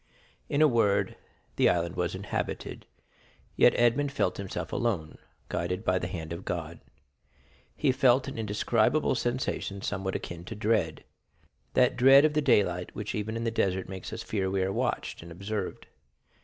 In a word, the island was inhabited, yet Edmond felt himself alone, guided by the hand of God. He felt an indescribable sensation somewhat akin to dread—that dread of the daylight which even in the desert makes us fear we are watched and observed.